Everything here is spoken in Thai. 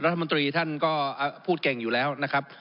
ลัฐมนตรีท่านก็พูดเก่งอยู่แล้วนะครับ